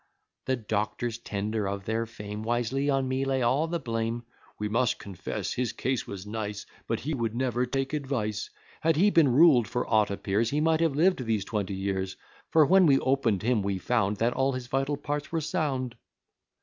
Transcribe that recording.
The doctors, tender of their fame, Wisely on me lay all the blame: "We must confess, his case was nice; But he would never take advice. Had he been ruled, for aught appears, He might have lived these twenty years; For, when we open'd him, we found, That all his vital parts were sound."